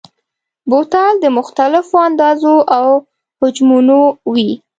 بوتل د مختلفو اندازو او حجمونو وي.